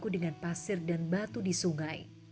dengan pasir dan batu di sungai